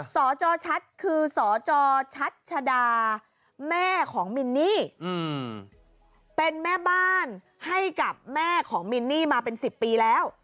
สจชัดคือสจชัชดาแม่ของมินนี่เป็นแม่บ้านให้กับแม่ของมินนี่มาเป็น๑๐ปีแล้ว